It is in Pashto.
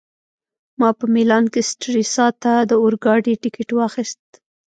ما په میلان کي سټریسا ته د اورګاډي ټکټ واخیست.